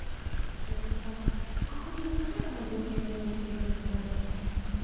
末延さん被告人の態度も量刑に影響したようですね。